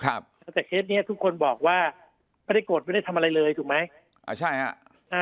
ครับแต่เวลานี้ทุกคนบอกว่าเขาได้กดไม่ได้ทำอะไรเลยถูกไหมอ่ะใช่ฮะ